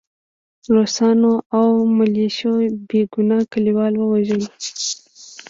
روسانو او ملیشو بې ګناه کلیوال ووژل